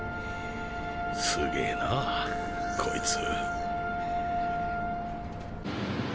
すげえなこいつ。